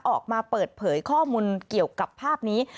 ออกมาเปิดเผยข้อมูลเกี่ยวกับภาพนี้